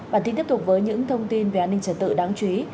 bản tin tiếp tục với những thông tin về an ninh trật tự đáng chú ý